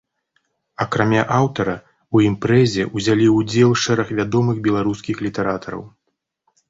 Акрамя аўтара ў імпрэзе ўзялі ўдзел шэраг вядомых беларускіх літаратараў.